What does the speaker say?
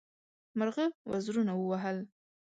مرغه وزرونه ووهل.